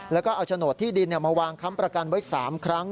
แล้วก็เอาโฉนดที่ดินมาวางค้ำประกันไว้๓ครั้ง